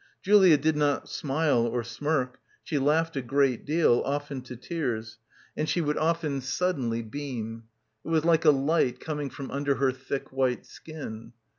Julia did not smile or smirk. She laughed a great deal, often to tears. And she would often suddenly beam. It was like a light coming from under her thick white skin.